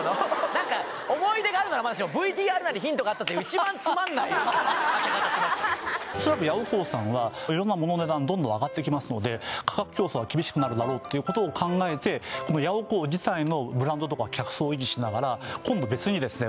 何か思い出があるならまだしもＶＴＲ内にヒントがあったって恐らくヤオコーさんは色んな物の値段どんどん上がってきますので価格競争が厳しくなるだろうっていうことを考えてこのヤオコー自体のブランドとか客層を維持しながら今度別にですね